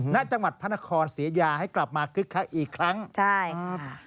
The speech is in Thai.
ณจังหวัดพระนครศรียาให้กลับมาคึกคักอีกครั้งใช่ครับ